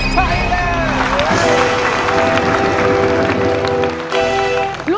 ใช้แน่